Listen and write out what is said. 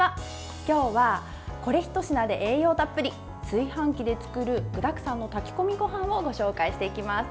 今日はこれひと品で栄養たっぷり炊飯器で作る具だくさんの炊き込みごはんをご紹介していきます。